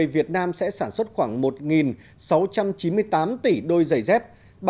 việt nam sẽ sản xuất khoảng một sáu trăm chín mươi tám tỷ đôi giày dép